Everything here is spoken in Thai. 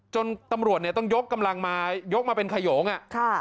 ตำรวจเนี่ยต้องยกกำลังมายกมาเป็นขยงอ่ะค่ะ